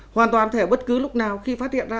hoàn toàn thể bất cứ lúc nào khi phát hiện ra